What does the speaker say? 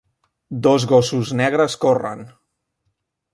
Dos gossos negres corren